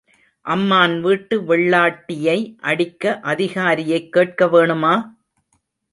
அம்மான் வீட்டு வெள்ளாட்டியை அடிக்க அதிகாரியைக் கேட்க வேணுமா?